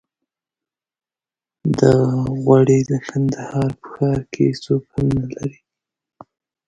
دغه غوړي د کندهار په ښار کې هېڅوک هم نه لري.